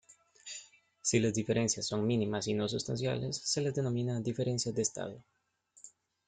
Si las diferencias son mínimas y no sustanciales, se les denomina "diferencias de estado".